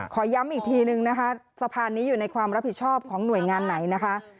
ย้ำอีกทีนึงนะคะสะพานนี้อยู่ในความรับผิดชอบของหน่วยงานไหนนะคะ